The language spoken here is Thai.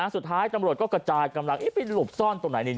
สุดท้ายตำรวจก็กระจายกำลังไปหลบซ่อนตรงไหน